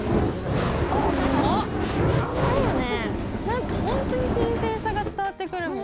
なんか本当に新鮮さが伝わってくるもん。